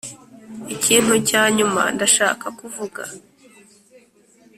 ikintu cya nyuma ndashaka kuvuga: